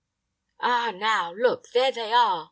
"Ah, now, look! there they are!"